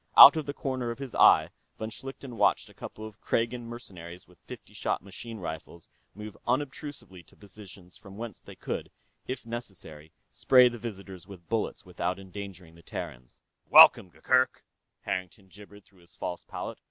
Out of the corner of his eye, von Schlichten watched a couple of Kragan mercenaries with fifty shot machine rifles move unobtrusively to positions from whence they could, if necessary, spray the visitors with bullets without endangering the Terrans. "Welcome, Gurgurk," Harrington gibbered through his false palate.